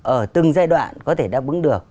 ở từng giai đoạn có thể đáp ứng được yêu cầu